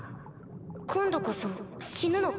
今度こそ死ぬのか？